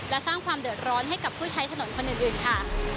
และสร้างความเดือดร้อนให้กับผู้ใช้ถนนคนอื่นค่ะ